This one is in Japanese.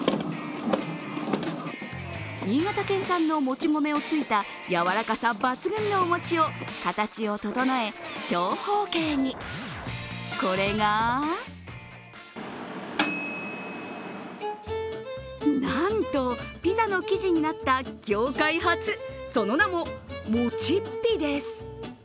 新潟県産のもち米を突いたやわらかさ抜群のお餅を形を整え、長方形に。これがなんとピザの生地になった業界初、その名もモチッピです。